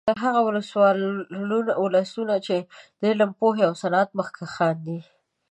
هغه ولسونه چې د علم، پوهې او صنعت مخکښان دي